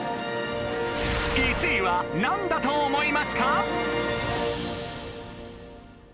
１位はなんだと思いますか？